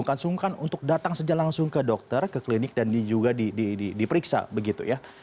bukan sungkan untuk datang saja langsung ke dokter ke klinik dan juga diperiksa begitu ya